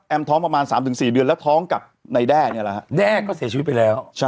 แอมท้องประมาณสามถึงสี่เดือนแล้วท้องกับในแด้เนี้ยแหละฮะแด้ก็เสียชีวิตไปแล้วใช่